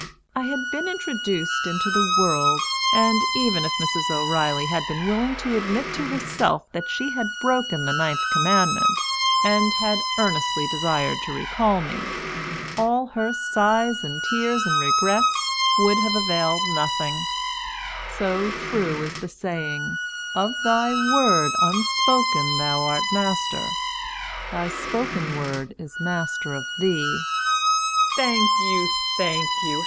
I had been introduced into the world, and even if Mrs. O'Reilly had been willing to admit to herself that she had broken the ninth commandment, and had earnestly desired to recall me, all her sighs and tears and regrets would have availed nothing; so true is the saying, "Of thy word unspoken thou art master; thy spoken word is master of thee." "Thank you." "Thank you."